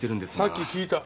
さっき聞いた。